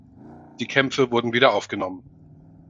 Die Kämpfe wurden wieder aufgenommen.